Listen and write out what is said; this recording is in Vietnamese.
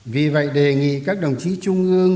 vì vậy đề nghị các đồng chí trung ương